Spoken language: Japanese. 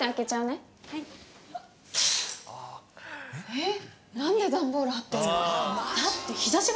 えっ？